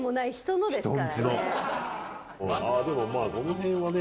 ああでもまあこの辺はね。